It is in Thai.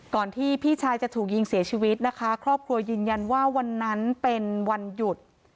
ที่พี่ชายจะถูกยิงเสียชีวิตนะคะครอบครัวยืนยันว่าวันนั้นเป็นวันหยุด